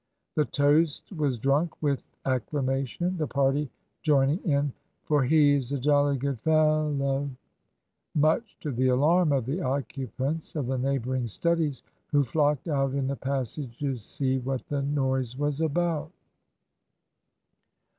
The toast was drunk with acclamation, the party joining in "For he's a jolly good fellow," much to the alarm of the occupants of the neighbouring studies, who flocked out in the passage to see what the noise was about.